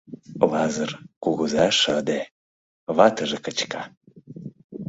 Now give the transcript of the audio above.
Лазыр кугыза шыде, ватыже кычыка.